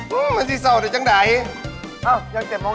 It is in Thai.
พี่เจฟทีชิงข้าง่อนน้อง